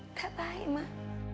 enggak baik mak